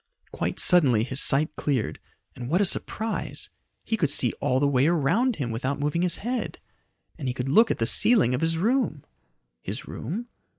Quite suddenly his sight cleared, and what a surprise! He could see all the way around him without moving his head! And he could look at the ceiling of his room! His room?